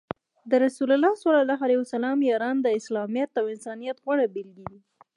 د رسول الله ص یاران د اسلامیت او انسانیت غوره بیلګې دي.